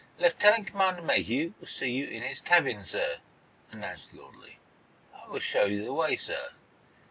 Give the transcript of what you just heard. "Lieutenant Commander Mayhew will see you in his cabin, sir," announced the orderly. "I will show you the way, sir."